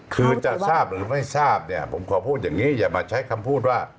คือจะทราบหรือไม่ทราบเนี่ยผมขอพูดอย่างนี้อย่ามาใช้คำพูดว่า